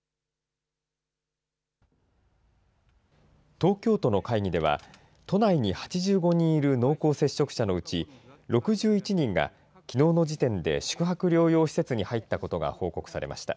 東京都の会議では、都内に８５人いる濃厚接触者のうち、６１人がきのうの時点で宿泊療養施設に入ったことが報告されました。